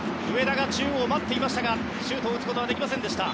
上田が中央で待っていましたがシュート打つことはできません。